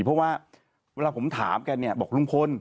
เพราะว่าเวลาผมถามแกเนี่ยบอกลุงพล